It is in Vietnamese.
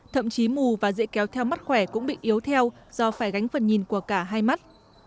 thậm chí mù và dễ kéo theo mắt khỏe cũng bị yếu theo do phải gánh phần nhìn của cả hai mắt